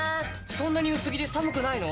そんなに薄着で寒くないの？